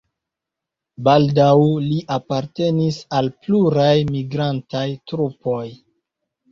Baldaŭ li apartenis al pluraj migrantaj trupoj.